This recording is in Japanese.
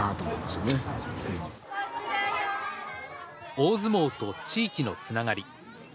大相撲と地域のつながり。